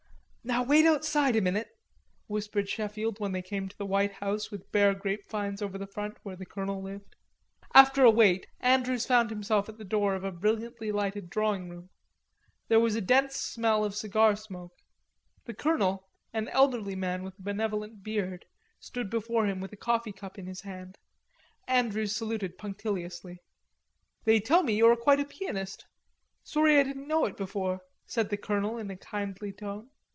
"Now wait outside a minute," whispered Sheffield when they came to the white house with bare grapevines over the front, where the colonel lived. After a wait, Andrews found himself at the door of a brilliantly lighted drawing room. There was a dense smell of cigar smoke. The colonel, an elderly man with a benevolent beard, stood before him with a coffee cup in his hand. Andrews saluted punctiliously. "They tell me you are quite a pianist.... Sorry I didn't know it before," said the colonel in a kindly tone.